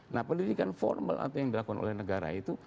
nah pendidikan formal atau yang dilakukan oleh negara itu